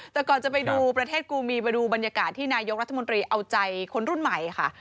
แต่ก่อนจะไปดูประเทศกูมีมาดูบรรยากาศที่นายกรัฐมนตรีเอาใจคนรุ่นใหม่ค่ะ